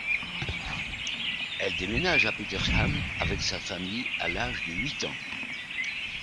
Elle déménage à Petersham avec sa famille à l'âge de huit ans.